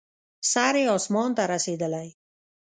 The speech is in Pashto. سر یې اسمان ته رسېدلی.